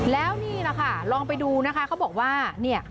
แล้วนี่แหละค่ะลองไปดูนะคะเขาบอกว่าเนี่ย